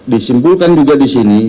disimpulkan juga disini